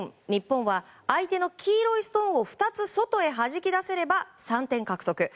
日本は、相手の黄色いストーンを２つ外へはじき出せれば３点獲得。